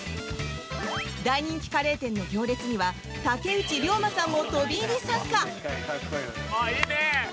大人気カレー店の行列には竹内涼真さんも飛び入り参加。